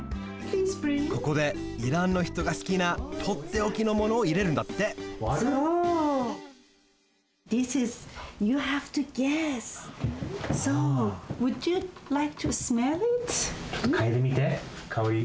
ここでイランの人がすきなとっておきのものを入れるんだってちょっとかいでみてかおり。